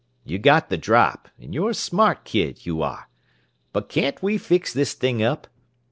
"You got the drop and you're a smart kid, you are but can't we fix this thing up?